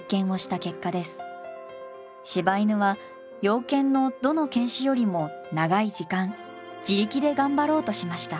柴犬は洋犬のどの犬種よりも長い時間自力で頑張ろうとしました。